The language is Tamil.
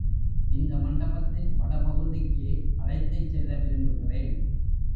இந்த மண்டபத்தின் வட பகுதிக்கே அழைத்துச் செல்ல விரும்புகிறேன்.